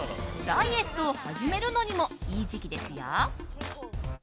ダイエットを始めるのにもいい時期ですよ。